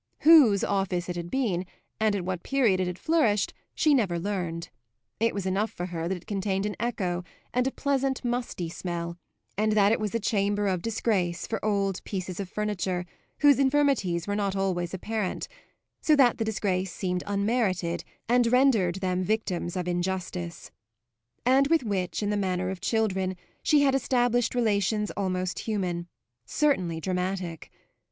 Whose office it had been and at what period it had flourished, she never learned; it was enough for her that it contained an echo and a pleasant musty smell and that it was a chamber of disgrace for old pieces of furniture whose infirmities were not always apparent (so that the disgrace seemed unmerited and rendered them victims of injustice) and with which, in the manner of children, she had established relations almost human, certainly dramatic.